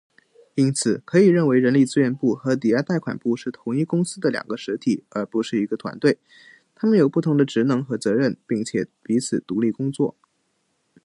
因此，可以认为人力资源部和抵押贷款部是同一公司的两个实体，而不是一个团队。它们有不同的职能和责任，并且彼此独立工作。